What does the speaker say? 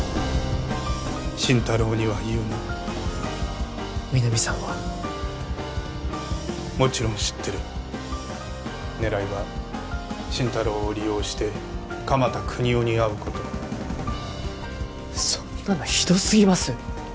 心太朗には言うな皆実さんはもちろん知ってる狙いは心太朗を利用して鎌田國士に会うことそんなのひどすぎます